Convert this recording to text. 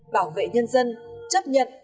bảo vệ nhân dân chấp nhận